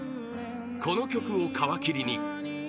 この曲を皮切りに